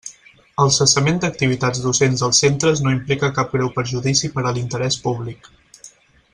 El cessament d'activitats docents dels centres no implica cap greu perjudici per a l'interès públic.